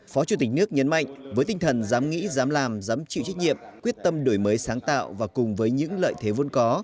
phó chủ tịch nước nhấn mạnh với tinh thần dám nghĩ dám làm dám chịu trách nhiệm quyết tâm đổi mới sáng tạo và cùng với những lợi thế vô có